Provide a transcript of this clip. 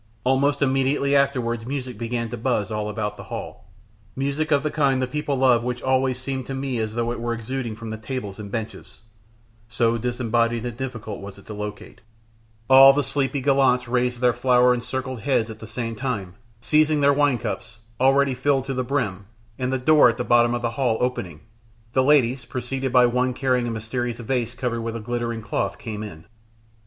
Almost immediately afterwards music began to buzz all about the hall music of the kind the people loved which always seemed to me as though it were exuding from the tables and benches, so disembodied and difficult it was to locate; all the sleepy gallants raised their flower encircled heads at the same time, seizing their wine cups, already filled to the brim, and the door at the bottom of the hall opening, the ladies, preceded by one carrying a mysterious vase covered with a glittering cloth, came in.